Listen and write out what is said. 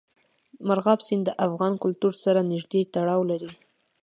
مورغاب سیند د افغان کلتور سره نږدې تړاو لري.